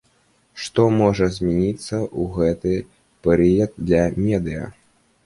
Што можа змяніцца ў гэты перыяд для медыя?